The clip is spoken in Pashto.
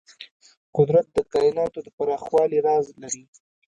قدرت د کایناتو د پراخوالي راز لري.